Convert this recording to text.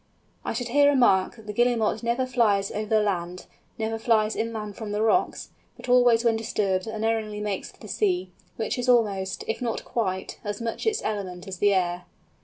I should here remark that the Guillemot never flies over the land, never flies inland from the rocks, but always when disturbed unerringly makes for the sea, which is almost, if not quite, as much its element as the air.